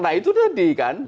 nah itu tadi kan